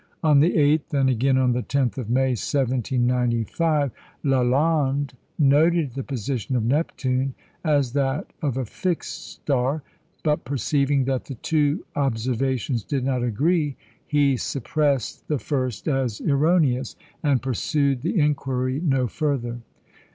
On the 8th, and again on the 10th of May, 1795, Lalande noted the position of Neptune as that of a fixed star, but perceiving that the two observations did not agree, he suppressed the first as erroneous, and pursued the inquiry no further.